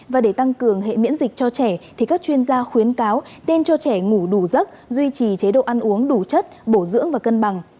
và để tăng cường hệ miễn dịch cho trẻ thì các chuyên gia khuyến cáo nên cho trẻ ngủ đủ giấc duy trì chế độ ăn uống đủ chất bổ dưỡng và cân bằng